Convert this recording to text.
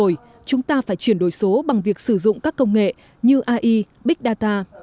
rồi chúng ta phải chuyển đổi số bằng việc sử dụng các công nghệ như ai big data